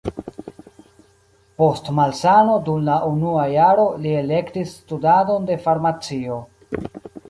Post malsano dum la unua jaro li elektis studadon de farmacio.